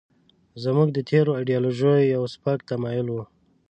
زموږ د تېرو ایډیالوژیو یو سپک تمایل و.